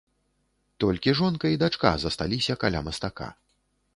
Толькі жонка і дачка засталіся каля мастака.